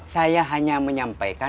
sampian hanya menyampaikan